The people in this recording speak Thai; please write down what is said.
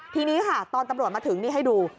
ทีนี้ค่ะตอนตำรวจมาถึงนี่ให้ดู